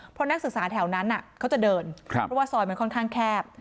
เพราะนักศึกษาแถวนั้นเขาจะเดินเพราะว่าซอยมันค่อนข้างแคบ